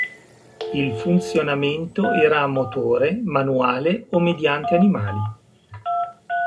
Il funzionamento era a motore, manuale o mediante animali.